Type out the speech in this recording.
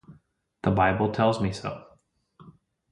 The bible tells me so.